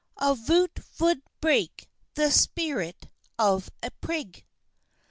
Of vot vood break the Sperrit of a Prig!